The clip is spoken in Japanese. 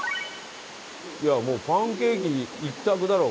いやもうパンケーキ一択だろ